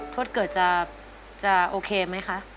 ถ้าเกิดจะโอเคไหมคะ